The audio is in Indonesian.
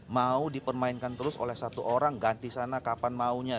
mau dipermainkan terus oleh satu orang ganti sana kapan maunya